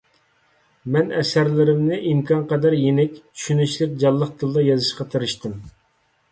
مەن ئەسەرلىرىمنى ئىمكانقەدەر يېنىك، چۈشىنىشلىك، جانلىق تىلدا يېزىشقا تىرىشتىم.